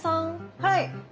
はい。